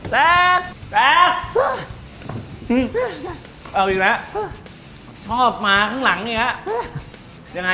แซ็คแซ็คเอาอีกแล้วชอบหมาข้างหลังเนี้ยยังไง